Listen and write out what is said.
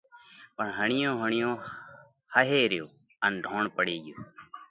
پڻ هڻِيون هڻِيون ۿئي ريو ان ڍوڻ پڙي ڳيو۔